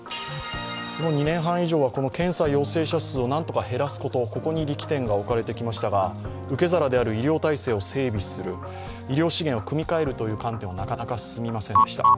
この２年半以上は検査陽性者数をなんとか減らすことここに力点が置かれてきましたが、受け皿である医療体制を整備する、医療資源を組み換えるという観点はなかなか進みませんでした。